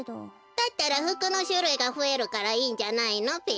だったらふくのしゅるいがふえるからいいんじゃないのべ。